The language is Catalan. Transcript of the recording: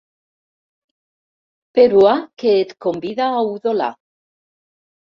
Peruà que et convida a udolar.